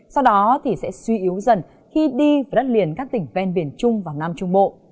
sau đó thì sẽ suy yếu dần khi đi vào đất liền các tỉnh ven biển trung và nam trung bộ